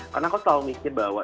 karena aku selalu mikir bahwa